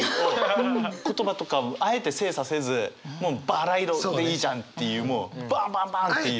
言葉とかあえて精査せずもう「ばら色」でいいじゃんっていうもうバンバンバンって。